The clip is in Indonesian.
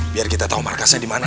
biar kita tau markasnya dimana